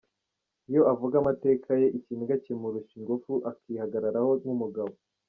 Iyo avuga amateka ye, ikiniga kimurusha ingufu akihagararaho nk’umugabo.